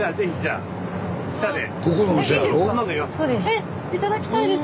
え頂きたいです。